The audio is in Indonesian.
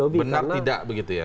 benar tidak begitu ya